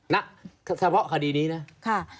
นะสำหรับคดีนี้นะค่ะ